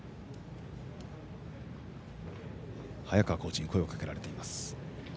早川コーチに声をかけられています。